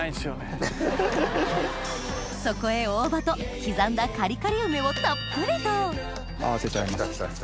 そこへ大葉と刻んだカリカリ梅をたっぷりと合わせちゃいます。